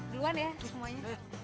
duluan ya semuanya